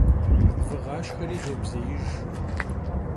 Vığaşşxeri zobzêijj.